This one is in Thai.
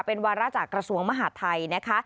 เป็นวาระจากกระทรวงมหาธินทรรพ์นะคะ